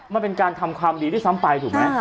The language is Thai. มันเป็นการทำความดีด้วยซ้ำไปถูกไหม